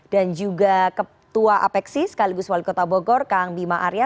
dan juga ketua apeksi sekaligus wali kota bogor kang bima arya